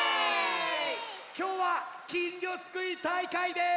きょうはきんぎょすくいたいかいです！